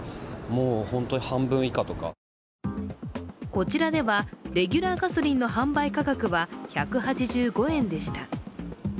こちらでは、レギュラーガソリンの販売価格は１８５円でした。